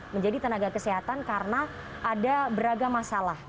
menjadi tenaga kesehatan karena ada beragam masalah